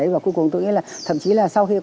và cuối cùng tôi nghĩ là thậm chí là sau khi